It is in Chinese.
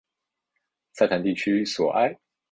塞坦地区索埃。